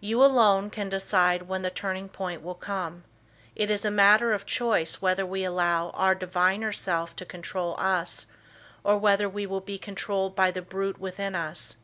You alone can decide when the turning point will come. It is a matter of choice whether we allow our diviner self to control us or whether we will be controlled by the brute within us.